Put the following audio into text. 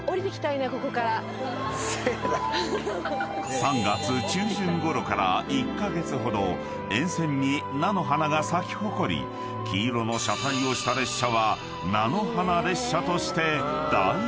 ［３月中旬ごろから１カ月ほど沿線に菜の花が咲き誇り黄色の車体をした列車は］